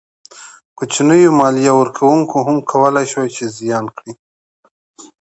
کوچنیو مالیه ورکوونکو هم کولای شوای چې زیان کړي.